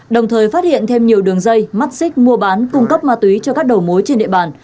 đồng thời phát hiện thêm nhiều đường dây mắt xích mua bán cung cấp ma túy cho các đầu mối trên địa bàn